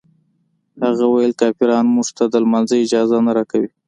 هغه ویل کافران موږ ته د لمانځه اجازه نه راکوي.